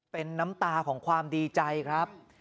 เป็นน้ำตาของความดีใจครับ